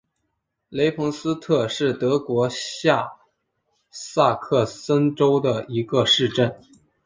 雷彭斯特是德国下萨克森州的一个市镇。